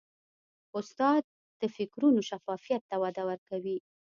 استاد د فکرونو شفافیت ته وده ورکوي.